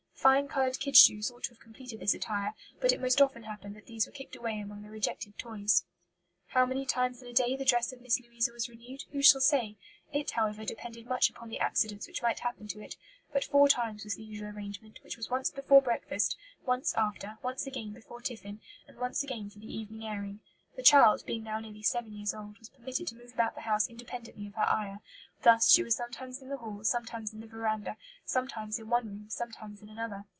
Fine coloured kid shoes ought to have completed this attire, but it most often happened that these were kicked away among the rejected toys. "How many times in a day the dress of Miss Louisa was renewed, who shall say? It, however, depended much upon the accidents which might happen to it; but four times was the usual arrangement, which was once before breakfast, once after, once again before tiffin, and once again for the evening airing. The child, being now nearly seven years old, was permitted to move about the house independently of her ayah; thus, she was sometimes in the hall, sometimes in the veranda, sometimes in one room, sometimes in another.